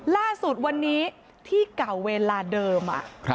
ล่าสุดวันนี้ที่เก่าเวลาเดิม